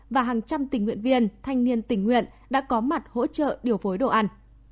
và hàng trăm tình nguyện viên thanh niên tình nguyện đã có mặt hỗ trợ điều phối đồ ăn